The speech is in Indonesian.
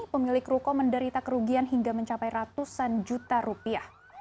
pemilik ruko menderita kerugian hingga mencapai ratusan juta rupiah